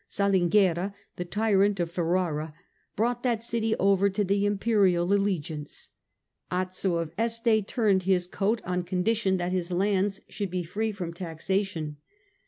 Salinguerra, the tyrant of Ferrara, brought that city over to the Imperial allegiance. Azzo of Este turned his coat on condition ISO STUPOR MUNDI that his lands should be free from taxation.